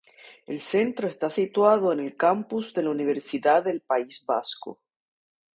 El centro está situado en el campus de la Universidad del País Vasco.